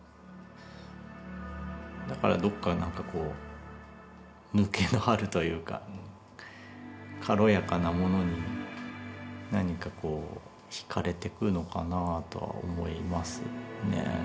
だからどっかなんかこう抜けのあるというか軽やかなものに何かこうひかれてくのかなとは思いますねぇ。